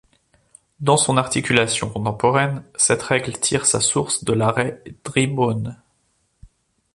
Dans son articulation contemporaine, cette règle tire sa source de l'arrêt Drybones.